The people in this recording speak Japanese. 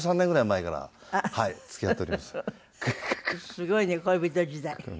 すごいね恋人時代。